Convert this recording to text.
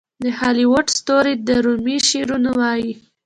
د هالیووډ ستوري د رومي شعرونه وايي.